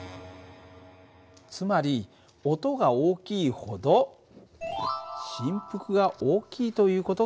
つまり音が大きいほど振幅が大きいという事が分かったね。